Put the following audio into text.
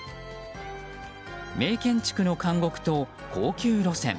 名建築の監獄と高級路線